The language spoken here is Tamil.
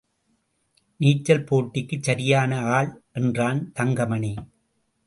நீச்சல் போட்டிக்குச் சரியான ஆள் என்றான் தங்கமணி.